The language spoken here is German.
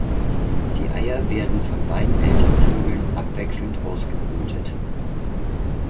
Die Eier werden von beiden Elternvögeln abwechselnd ausgebrütet.